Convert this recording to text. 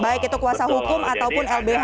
baik itu kuasa hukum ataupun lbh